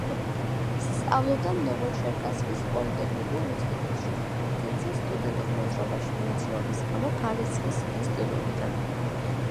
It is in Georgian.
სწავლობდა ნოვოჩერკასკის პოლიტექნიკურ ინსტიტუტში, თუმცა სტუდენტურ მოძრაობაში მონაწილეობის გამო გარიცხეს ინსტიტუტიდან.